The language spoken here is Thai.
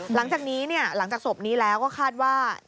หลังจากศพนี้แล้วก็คาดว่า